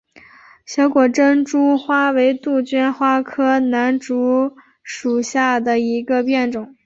小果珍珠花为杜鹃花科南烛属下的一个变种。